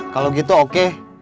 kalau gitu oke